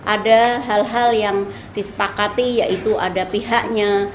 ada hal hal yang disepakati yaitu ada pihaknya